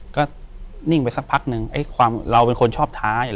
ก็นิ่งไปสักพักหนึ่งเอ๊ะความเราเป็นคนชอบท้าอย่าง